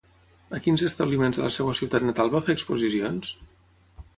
A quins establiments de la seva ciutat natal va fer exposicions?